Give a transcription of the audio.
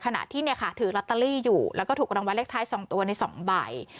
ขณะที่เนี่ยค่ะถือลอตเตอรี่อยู่แล้วก็ถูกรางวัลเลขท้าย๒ตัวใน๒ใบ